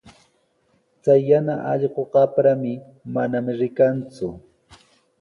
Chay yana allqu qamprami, manami rikanku.